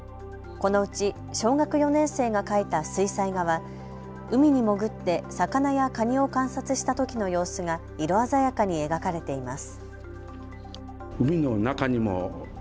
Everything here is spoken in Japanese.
このうち小学４年生が描いた水彩画は海に潜って魚やカニを観察したときの様子が色鮮やかに描かれています。